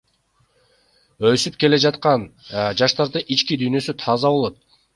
Өсүп келе жаткан жаштардын ички дүйнөсү таза болот.